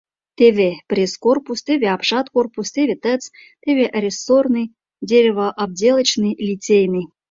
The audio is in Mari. Теве — пресс корпус, теве — апшат корпус, теве — ТЭЦ, теве — рессорный, деревообделочный, литейный.